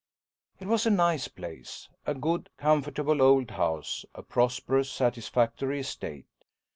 It was a nice place. A good comfortable old house, a prosperous, satisfactory estate.